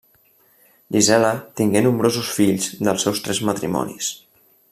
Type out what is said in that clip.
Gisela tingué nombrosos fills dels seus tres matrimonis.